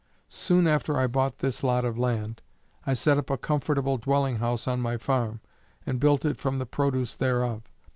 Soon after I bought this lot of land, I set up a comfortable dwelling house on my farm, and built it from the produce thereof.